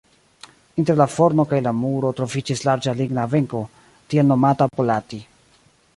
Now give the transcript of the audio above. Inter la forno kaj la muro troviĝis larĝa ligna benko, tiel nomata "polati".